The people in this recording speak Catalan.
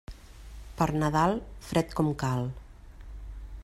Per Nadal, fred com cal.